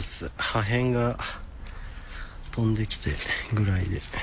破片が飛んできてぐらいで。